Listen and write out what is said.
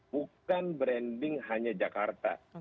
bukan branding hanya jakarta